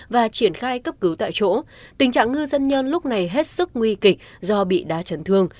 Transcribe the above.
và triển khai cấp cứu tại chỗ tình trạng ngư dân nhân lúc này hết sức nguy kịch do bị đa chấn thương